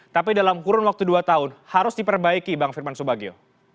tapi dalam kurun waktu dua tahun harus diperbaiki bang firman subagio